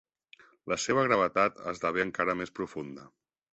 La seva gravetat esdevé encara més profunda.